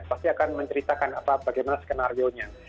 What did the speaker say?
pasti akan menceritakan bagaimana skenario nya